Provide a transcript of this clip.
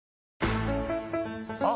あ！